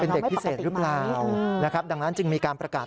เป็นเด็กพิเศษหรือเปล่านะครับดังนั้นจึงมีการประกาศ